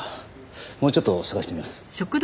もうちょっと捜してみます。